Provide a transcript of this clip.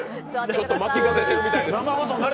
ちょっと巻きが入っているみたいです。